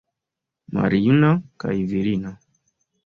Maljuna, kaj virina.